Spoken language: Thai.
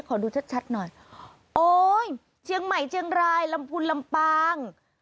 ขอดูชัดชัดหน่อยโอ๊ยเชียงใหม่เชียงรายลำพูนลำปาง